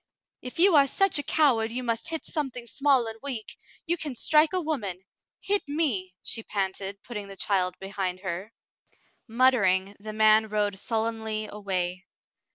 "If you are such a coward you must hit something small and weak, you can strike a woman. Hit me," she panted, putting the child behind her. Muttering, the man rode sullenly away.